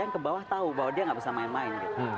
yang kebawah tahu bahwa dia nggak bisa main main